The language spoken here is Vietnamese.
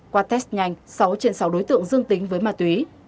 qua test nhanh sáu trên sáu đối tượng dương tính với ma túy